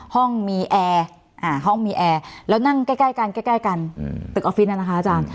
ห้องมีแอร์ห้องมีแอร์แล้วนั่งใกล้กันใกล้กันตึกออฟฟิศนะคะอาจารย์